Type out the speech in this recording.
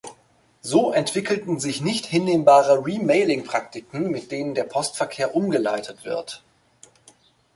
So entwickelten sich nicht hinnehmbare Remailing-Praktiken, mit denen der Postverkehr umgeleitet wird.